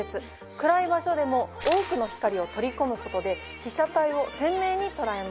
暗い場所でも多くの光を取り込むことで被写体を鮮明に捉えます。